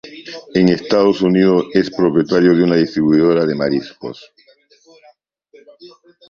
En Estados Unidos es propietario de una distribuidora de mariscos.